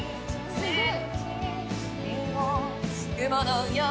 すごーい